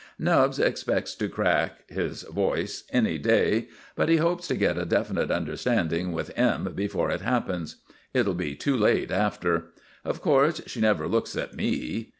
Nubbs expects to crack (his voice) any day, but he hopes to get a definite understanding with M. before it happens. It'll be too late after. Of course she never looks at me.